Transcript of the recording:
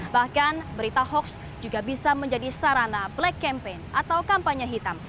bahkan berita hoax juga bisa menjadi sarana black campaign atau kampanye hitam